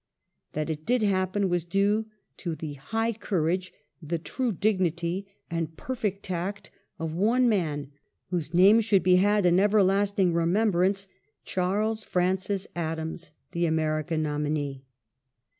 That it did happen was due to the high courage, the true dignity and perfect tact of one man, whose name should be had in everlasting remembrance, Charles Francis Adams, the American nominee.